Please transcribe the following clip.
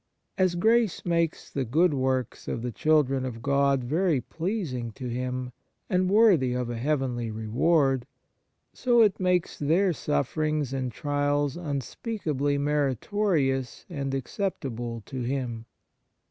As grace makes the good works of the children of God very pleasing to Him, and worthy of a heavenly reward, so it makes their sufferings and trials un speakably meritorious and acceptable to Him.